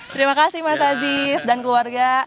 terima kasih mas aziz dan keluarga